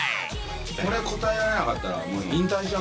これ答えられなかったら。